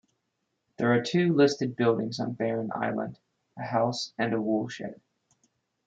There are two listed buildings on Barren Island, a house and a woolshed.